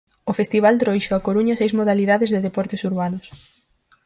O festival trouxo á Coruña seis modalidades de deportes urbanos.